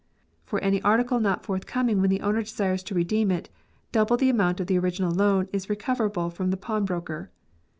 For any article not forthcoming when the owner desires to redeem it, double the amount of the original loan is recoverable from the pawnbroker.